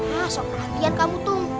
nah sok latihan kamu tuh